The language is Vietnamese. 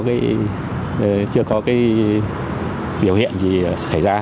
không có biểu hiện gì xảy ra